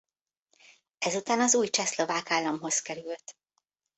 Ezután az új csehszlovák államhoz került.